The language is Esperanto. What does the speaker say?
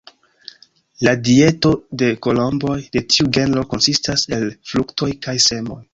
La dieto de kolomboj de tiu genro konsistas el fruktoj kaj semoj.